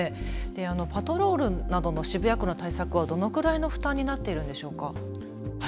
パトロールなどの渋谷区の対策はどのくらいの負担になっているんでしょうか。